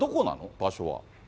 場所は。